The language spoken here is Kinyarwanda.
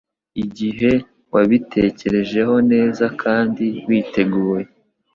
igihe wabitekerejeho neza kandi witeguye